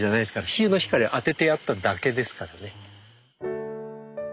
日の光を当ててやっただけですからね。